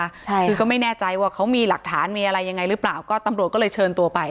ใช่คือก็ไม่แน่ใจว่าเขามีหลักฐานมีอะไรยังไงหรือเปล่าก็ตำรวจก็เลยเชิญตัวไป